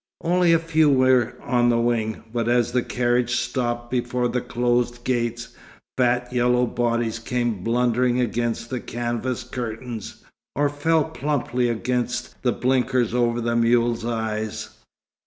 Only a few were on the wing, but as the carriage stopped before the closed gates, fat yellow bodies came blundering against the canvas curtains, or fell plumply against the blinkers over the mules' eyes.